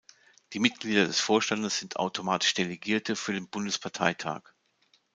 Die Mitglieder des Vorstandes sind automatisch Delegierte für den Bundesparteitag.